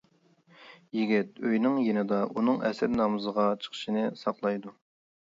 يىگىت ئۆينىڭ يېنىدا ئۇنىڭ ئەسىر نامىزىغا چىقىشىنى ساقلايدۇ.